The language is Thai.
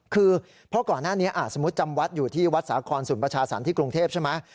คือเพราะก่อนหน้านี้สมมุติจำวัดอยู่ที่วัดสาครศูนย์ประชาสรรค์ที่กรุงเทพใช่ไหม